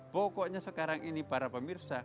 pokoknya sekarang ini para pemirsa